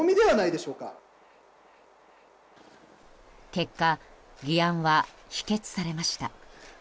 結果、議案は否決されました。